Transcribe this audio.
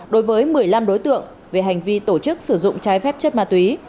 đối với một mươi năm đối tượng về hành vi tổ chức sử dụng trái phép chất ma túy